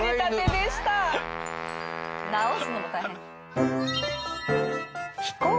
直すのも大変。